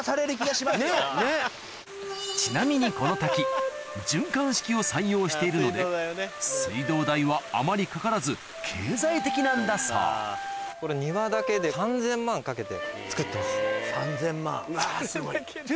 ちなみにこの滝循環式を採用しているので水道代はあまりかからず経済的なんだそううわすごい。